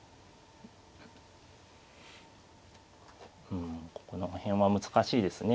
うんここの辺は難しいですね。